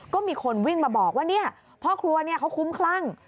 ก็มีคนวิ่งมาบอกว่าเนี่ยพ่อครัวเขาคุ้มคลั่ง